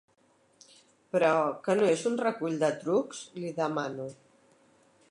Però, que no és un recull de trucs? —li demano.